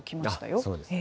そうですね。